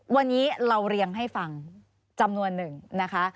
วันนี้เราเรียงให้ฟังจำนวนหนึ่งนะคะ